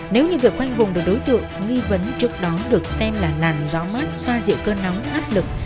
nếu như việc khoanh vùng được đối tượng nghi vấn trước đó được xem là làn gió mát xoa dịu cơn nóng áp lực